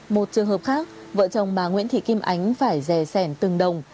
một trường hợp khác vợ chồng bà nguyễn thị kim ánh phải rè sẻ từng đồng